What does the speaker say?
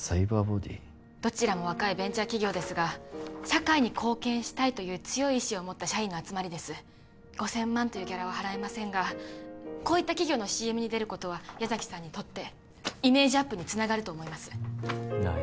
どちらも若いベンチャー企業ですが社会に貢献したいという強い意志を持った社員の集まりです５０００万というギャラは払えませんがこういった企業のＣＭに出ることは矢崎さんにとってイメージアップにつながると思いますなあ